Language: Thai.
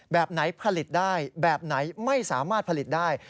แบบไหนผลิตได้แบบไหนไม่สามารถผลิตได้